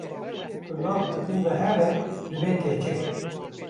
ku law di bin de here dibe keçik